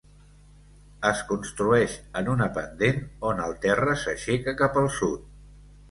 Es construeix en una pendent, on el terra s'aixeca cap al sud.